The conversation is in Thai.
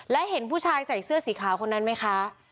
และเห็นผู้ชายใส่เสื้อสีขาวคนนั้นไหมคะ